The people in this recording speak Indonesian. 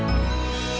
ini pasti ada kecurangan